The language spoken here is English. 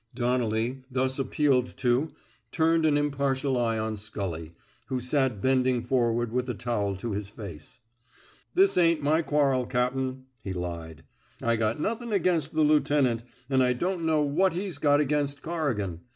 Donnelly, thus appealed to, turned an impartial eye on Scully, who sat bending forward with the towel to his face. *' This ain't my quarrel, cap'n," he lied. I got nothin' against the lieut'nt, an' I don't know what he's got against Corrigan.